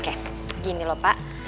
oke gini loh pak